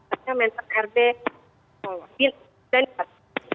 atau penyakit yang mencari r b